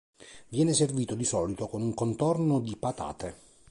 Viene servito, di solito, con un contorno di patate.